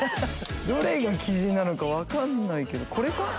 どれが雉なのか分かんないけどこれか？